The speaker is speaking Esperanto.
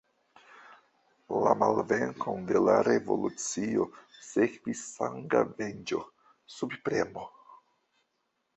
La malvenkon de la revolucio sekvis sanga venĝo, subpremo.